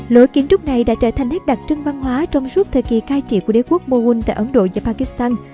lối kiến trúc này đã trở thành hết đặc trưng văn hóa trong suốt thời kỳ cai trị của đế quốc moghul tại ấn độ và pakistan